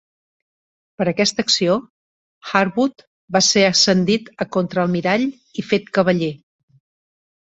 Per aquesta acció, Harwood va ser ascendit a contraalmirall i fet cavaller.